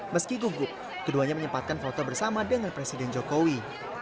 meski gugup keduanya menyempatkan foto bersama dengan presiden jokowi